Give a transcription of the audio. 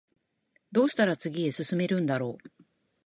どうしたら次へ進めるんだろう